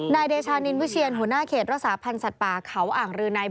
นายเดชานินวิเชียนหัวหน้าเขตรักษาพันธ์สัตว์ป่าเขาอ่างรือใน